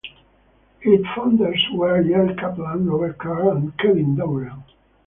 Its founders were Jerry Kaplan, Robert Carr, and Kevin Doren.